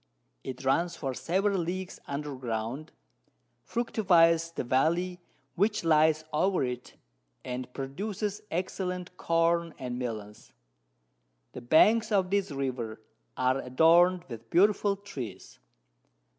It runs for several Leagues under Ground, fructifies the Valley which lies over it, and produces excellent Corn and Melons. The Banks of this River are adorn'd with beautiful Trees.